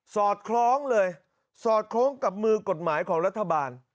สอดคล้องเลยสอดคล้องกับมือกฎหมายของรัฐบาล